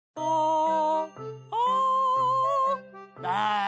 ああ！